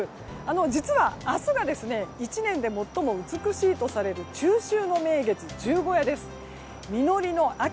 実は、明日が１年で最も美しいとされる中秋の名月十五夜です、実りの秋。